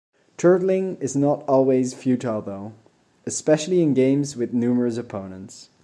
Turtling is not always futile though, especially in games with numerous opponents.